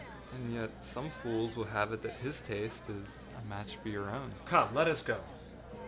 â âAnd yet some fools will have it that his taste is a match for your own.â âCome, let us go.